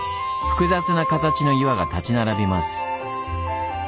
複雑な形の岩が立ち並びます。